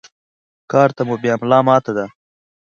کار ته مو بيا ملا ماته ده.